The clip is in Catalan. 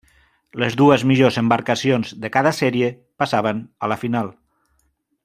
Les dues millors embarcacions de cada sèrie passaven a la final.